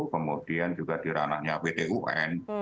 kemudian juga di ranahnya pt un